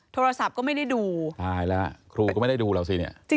โทรศัพท์ก็ไม่ได้ดูตายแล้วครูก็ไม่ได้ดูแล้วสิ